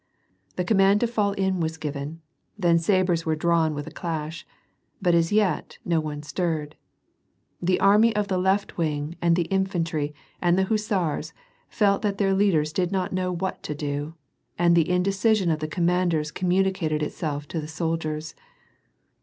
The command to fall in was given, then sabres were drawn with a clash. But as yet no one stirred. The army of the left wing and the infantry and the hussars felt that their leaders did not know what to do, and the indecision of the commanders communi cated itself to the soldiers.